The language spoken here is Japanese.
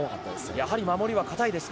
やはり守りが固いですね。